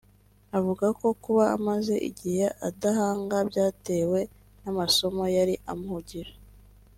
avuga ko kuba amaze igihe adahanga byatewe n’amasomo yari amuhugije